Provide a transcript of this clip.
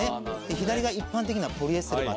左が一般的なポリエステル綿。